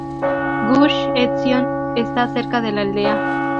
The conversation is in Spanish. Gush Etzion está cerca de la aldea.